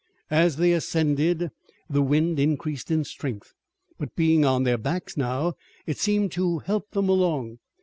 As they ascended, the wind increased in strength, but being on their backs now it seemed to help them along.